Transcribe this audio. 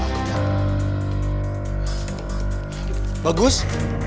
murti pergi kemana sih